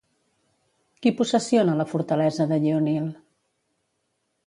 Qui possessiona la fortalesa de Yeonil?